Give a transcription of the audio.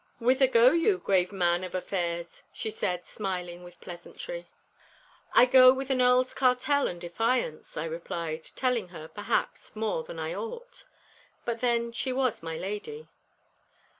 'Whither go you, grave man of affairs?' she said, smiling with pleasantry. 'I go with an Earl's cartel and defiance,' I replied, telling her, perhaps, more than I ought. But then she was my lady.